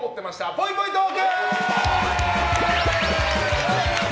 ぽいぽいトーク。